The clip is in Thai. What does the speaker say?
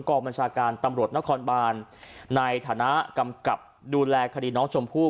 บัญชาการตำรวจนครบานในฐานะกำกับดูแลคดีน้องชมพู่